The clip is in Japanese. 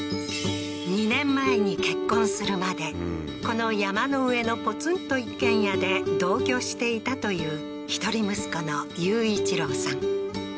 ２年前に結婚するまでこの山の上のポツンと一軒家で同居していたという一人息子の優一郎さん